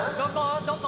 「どこ？